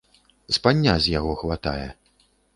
Спання з яго хватае.